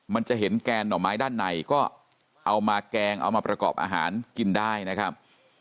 มันจะเห็นแกงหน่อไม้ด้านในก็เอามาแกงเอามาประกอบอาหารกินได้นะครับ